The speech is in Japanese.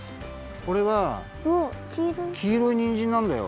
これはきいろいにんじんなんだよ。